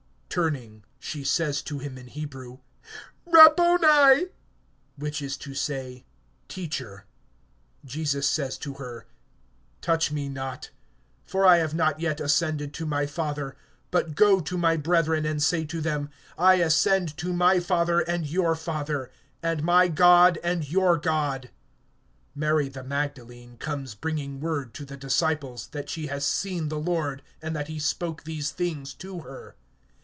Turning, she says to him in Hebrew: Rabboni! (which is to say, Teacher!) (17)Jesus says to her: Touch me not; for I have not yet ascended to my Father; but go to my brethren, and say to them: I ascend to my Father and your Father, and my God and your God. (18)Mary the Magdalene comes bringing word to the disciples, that she has seen the Lord, and that he spoke these things to her.